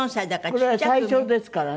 これは最初ですからね。